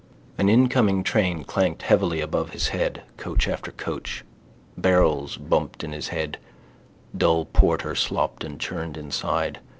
An incoming train clanked heavily above his head, coach after coach. Barrels bumped in his head: dull porter slopped and churned inside.